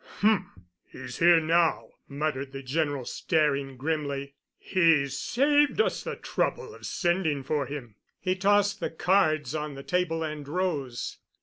"H—m! He's here now," muttered the General, staring grimly. "He's saved us the trouble of sending for him." He tossed the cards on the table and rose.